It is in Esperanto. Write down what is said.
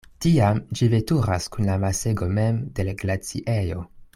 Tiam ĝi veturas kun la masego mem de l' glaciejo.